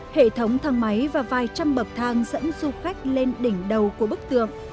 hệ thống thang máy và vài trăm bậc thang dẫn du khách lên đỉnh đầu của bức tượng